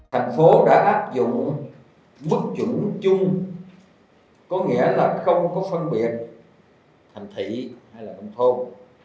thành phố đã áp dụng mức chuẩn chung có nghĩa là không có phân biệt thành thị hay là nông thôn